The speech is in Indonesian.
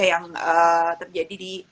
yang terjadi di